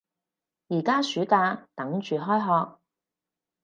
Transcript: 而家暑假，等住開學